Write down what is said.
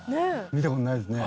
見た事ないですね。